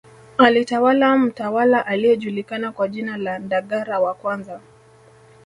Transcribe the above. Alitawala mtawala aliyejulikana kwa jina la Ndagara wa kwanza